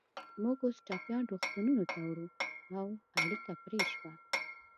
موږ اوس ټپیان روغتونونو ته وړو، او اړیکه پرې شوه.